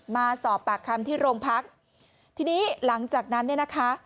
มาสอบปากคำที่โรงพักทีนี้หลังจากนั้นเนี่ยนะคะ